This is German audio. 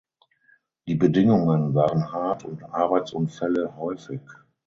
Die Bedingungen waren hart und Arbeitsunfälle häufig.